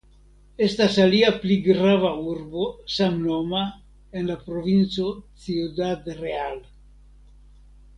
Estas alia pli grava urbo samnoma en la Provinco Ciudad Real.